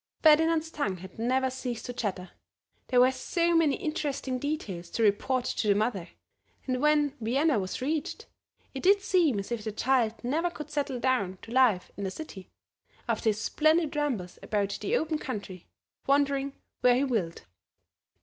Ferdinand's tongue had never ceased to chatter, there were so many interesting details to report to the mother; and when Vienna was reached it did seem as if the child never could settle down to life in the City, after his splendid rambles about the open country, wandering where he willed.